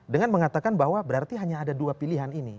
dengan mengatakan bahwa berarti hanya ada dua pilihan ini